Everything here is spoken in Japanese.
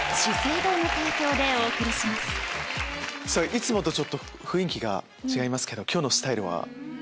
いつもと雰囲気が違いますけど今日のスタイルは？